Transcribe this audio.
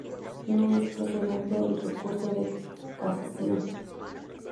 No es procedente el recurso de casación.